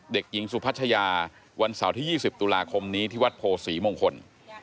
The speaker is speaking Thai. เด็กหญิงสุพัชยาวันเสาร์ที่๒๐ตุลาคมนี้ที่วัดโพศรีมงคล